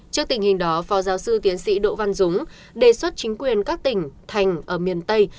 trước tình hình đó phó giáo sư tiến sĩ đỗ văn dũng đề xuất chính quyền các tỉnh thành ở miền tây